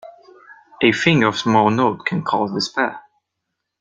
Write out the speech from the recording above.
A thing of small note can cause despair.